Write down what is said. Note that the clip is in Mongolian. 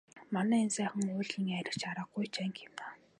Манай энэ Сайхан уулын айраг ч аргагүй л анги юмаа.